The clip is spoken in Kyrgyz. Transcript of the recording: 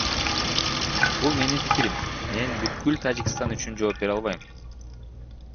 Бул менин пикирим, мен бүткүл Тажикстан үчүн жооп бере албайм.